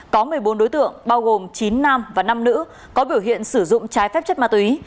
có một mươi bốn đối tượng bao gồm chín nam và năm nữ có biểu hiện sử dụng trái phép chất ma túy